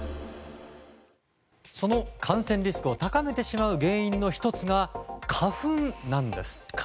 その感染リスクを高めてしまう原因の１つが花粉なんです。